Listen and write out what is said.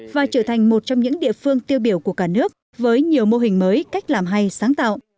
và trở thành một trong những địa phương tiêu biểu của cả nước với nhiều mô hình mới cách làm hay sáng tạo